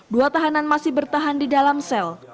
dua tahanan masih bertahan di dalam sel